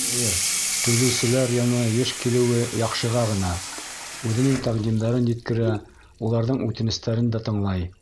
Хәйер, төҙөүселәр янына йыш килеүе яҡшыға ғына: үҙенең тәҡдимдәрен еткерә, уларҙың үтенестәрен дә тыңлай.